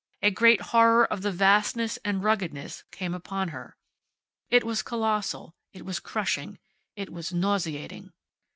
A great horror of the vastness and ruggedness came upon her. It was colossal, it was crushing, it was nauseating.